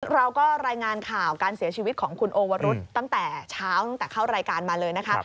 เราก็รายงานข่าวการเสียชีวิตของคุณโอวรุษตั้งแต่เช้าตั้งแต่เข้ารายการมาเลยนะคะ